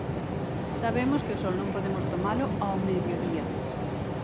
Sabemos que o sol non podemos tomalo ao mediodía.